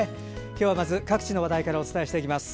今日まず各地の話題からお伝えしていきます。